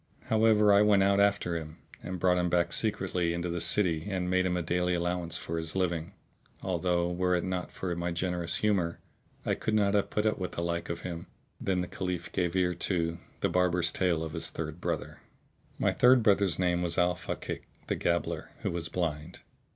However I went out after him and brought him back secretly into the city and made him a daily allowance for his living: although, were it not for my generous humour, I could not have put up with the like of him. Then the Caliph gave ear to The Barber's Tale of his Third Brother. My third brother's name was Al Fakík, the Gabbler, who was blind.